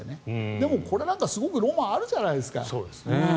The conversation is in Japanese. でもこれなんか、すごくロマンがあるじゃないですか。